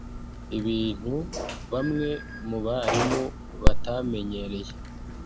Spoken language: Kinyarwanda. ibintu bamwe mu barimu batamenyereye